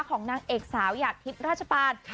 ของนางเอกสาวญาติธราชบาท